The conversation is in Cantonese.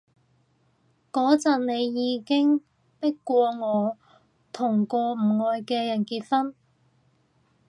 嗰陣你已經迫過我同個唔愛嘅人結婚